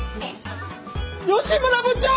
吉村部長！